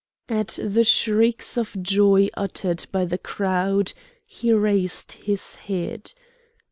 At the shrieks of joy uttered by the crowd he raised his head.